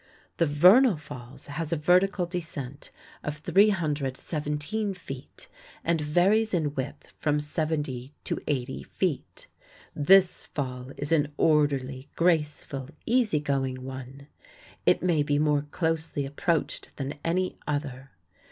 The Vernal Falls has a vertical descent of 317 feet and varies in width from 70 to 80 feet. This fall is an orderly, graceful, easy going one. It may be more closely approached than any other.